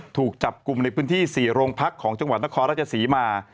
ถูกจับกลุ่มในพื้นที่๔โรงพักของจังหวัดนครราชศรีมา